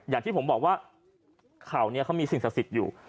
อย่างที่ผมบอกว่าเขาเนี่ยเขามีสิ่งศักดิ์สิทธิ์อยู่